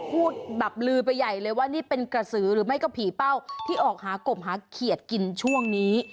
พูดแบบลือไปใหญ่เลยว่านี่เป็นกระสือหรือไม่ก็ผีเป้าที่ออกหากบหาเขียดกินช่วงนี้